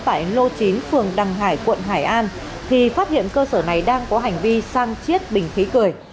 tại lô chín phường đằng hải quận hải an thì phát hiện cơ sở này đang có hành vi sang chiết bình khí cười